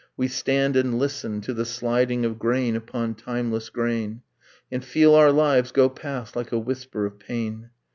. we stand and listen To the sliding of grain upon timeless grain And feel our lives go past like a whisper of pain.